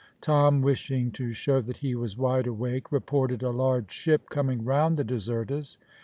Tom, wishing to show that he was wide awake, reported a large ship coming round the Desertas.